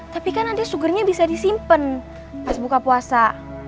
tapi kan nanti sugernya bisa disimpen pas buka puasa